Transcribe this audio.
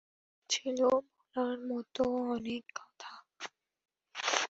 আমাদের ছিল বলার মতো অনেক কথা!